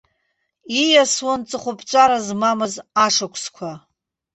Ииасуан ҵыхәаԥҵәара змамыз ашықәсқәа.